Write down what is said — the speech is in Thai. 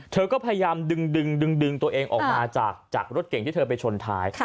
เธอก็พยายามดึงตัวเองออกมาจากรถเก่งที่เธอไปชนท้าย